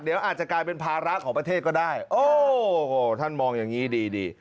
เดี๋ยวอาจจะกลายเป็นภาระของประเทศก็ได้โอ้โหท่านมองอย่างนี้ดีดี